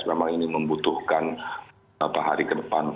memang ini membutuhkan beberapa hari ke depan